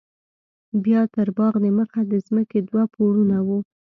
بيا تر باغ د مخه د ځمکې دوه پوړونه وو.